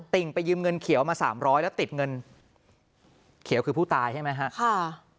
ติ่งไปยืมเงินเขียวมา๓๐๐บาทแล้วติดเงินเขียวคือผู้ตายใช่ไหมฮะ